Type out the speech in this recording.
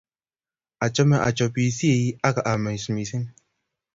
Achame achopisiei ak aamis mising